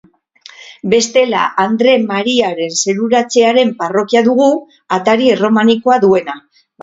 Bestela Andre Mariaren Zeruratzearen parrokia dugu, atari erromanikoa duena.